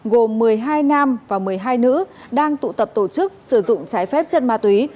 gồm một mươi hai nam và một mươi hai nữ đang tụ tập tổ chức sử dụng trái phép chất ma túy